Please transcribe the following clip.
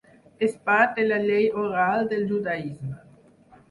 És part de la llei oral del judaisme.